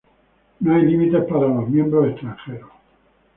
No hay límite para los miembros extranjeros.